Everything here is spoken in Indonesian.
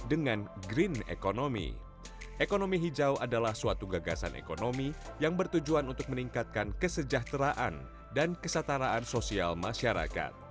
dengan green economy ekonomi hijau adalah suatu gagasan ekonomi yang bertujuan untuk meningkatkan kesejahteraan dan kesataraan sosial masyarakat